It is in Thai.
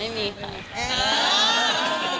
ไม่มีใคร